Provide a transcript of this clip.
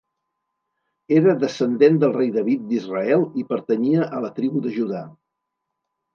Era descendent del Rei David d'Israel i pertanyia a la tribu de Judà.